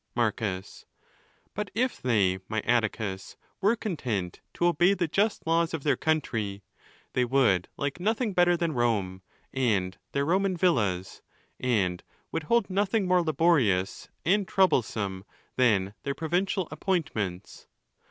Marcus.—But if they, my Atticus, were content to obey the just laws of their country, they would like nothing better than Rome, and their Roman villas; and would hold nothing more laborious and troublesome than their provincial ap pointments.